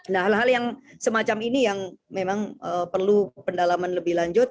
nah hal hal yang semacam ini yang memang perlu pendalaman lebih lanjut